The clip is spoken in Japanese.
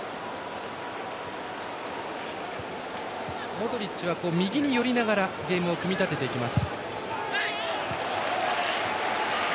モドリッチは右に寄りながらゲームを組み立てていきます。